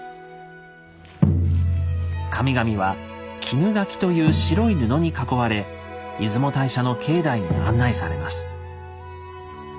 神々は「絹垣」という白い布に囲われ出雲大社の境内に案内されます。